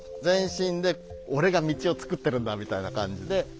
全身で俺が道を作ってるんだみたいな感じで。